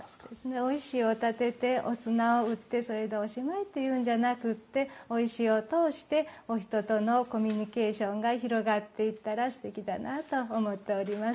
お石を立ててお砂を打ってそれで、おしまいではなくお石を通して人とのコミュニケーションが広がっていけばすてきだなと思っております。